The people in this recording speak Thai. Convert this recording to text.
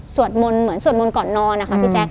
สวดมนต์เหมือนสวดมนต์ก่อนนอนนะคะพี่แจ๊ค